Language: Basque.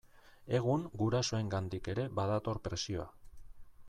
Egun gurasoengandik ere badator presioa.